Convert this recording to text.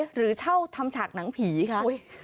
หรือเช่าทำฉากหนังผีคะ